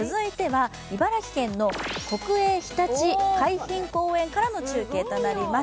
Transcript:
茨城県の国営ひたち海浜公園からの中継となります。